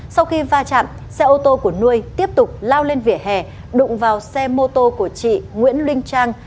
sau khi va chạm xe ô tô của nuôi tiếp tục lao lên vỉa hè đụng vào xe mô tô của chị nguyễn linh trang